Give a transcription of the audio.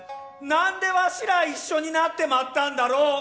なんで儂ら一緒になってまったんだろ！